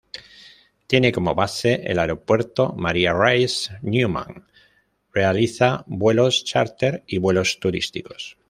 Tiene como base el Aeropuerto María Reiche Neuman, realiza vuelos chárter y vuelos turísticos.